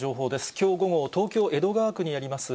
きょう午後、東京・江戸川区にあります